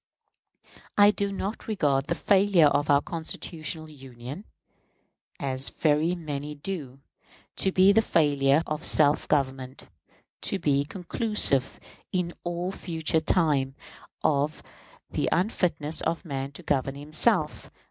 I do not regard the failure of our constitutional Union, as very many do, to be the failure of self government to be conclusive in all future time of the unfitness of man to govern himself.